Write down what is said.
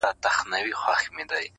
هغې بۀ ما بلاندي د خپل سر لوپټه وهله,